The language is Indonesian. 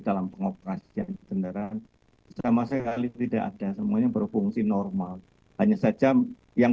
dalam pengoperasian kendaraan sama sekali tidak ada semuanya berfungsi normal hanya saja yang